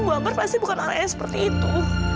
bu ambar pasti bukan orang yang seperti itu